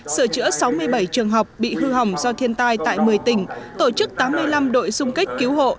sửa chữa sáu mươi bảy trường học bị hư hỏng do thiên tai tại một mươi tỉnh tổ chức tám mươi năm đội xung kích cứu hộ